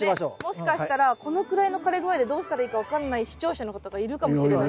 もしかしたらこのくらいの枯れ具合でどうしたらいいか分かんない視聴者の方がいるかもしれない。